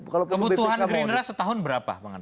kebutuhan greenrail setahun berapa